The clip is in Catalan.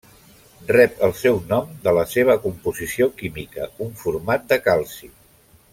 Rep el seu nom de la seva composició química: un format de calci.